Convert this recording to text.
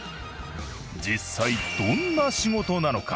実際どんな仕事なのか？